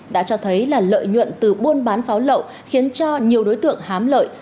đã cho thấy là lợi nhuận từ buôn bán pháo lậu khiến cho nhiều đối tượng hám lợi